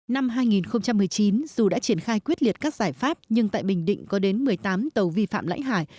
năm hai nghìn một mươi chín dù đã triển khai quyết liệt các giải pháp nhưng tại bình định có đến một mươi tám tàu vi phạm lãnh hải